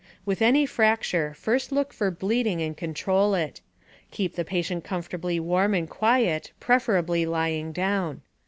With any fracture, first look for bleeding and control it. Keep the patient comfortably warm and quiet, preferably lying down.